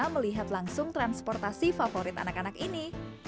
melihat langsung transportasi favorit anak anak ini